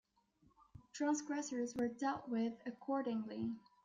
Transgressors were dealt with accordingly.